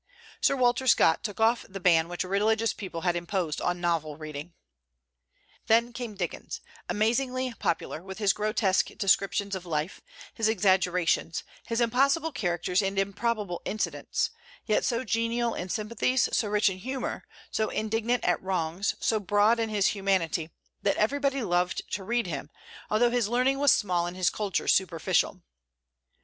Sir Walter Scott took off the ban which religious people had imposed on novel reading. Then came Dickens, amazingly popular, with his grotesque descriptions of life, his exaggerations, his impossible characters and improbable incidents: yet so genial in sympathies, so rich in humor, so indignant at wrongs, so broad in his humanity, that everybody loved to read him, although his learning was small and his culture superficial.